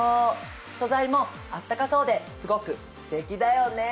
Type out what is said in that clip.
素材も暖かそうですごくすてきだよね。